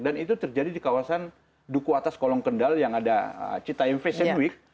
dan itu terjadi di kawasan duku atas kolong kendal yang ada citaim fashion week